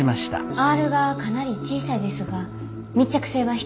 アールがかなり小さいですが密着性は必要でしょうか？